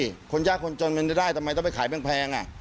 อยากคนยากคนจนไม่ได้ทำไมต้องไปขายเว็บแพง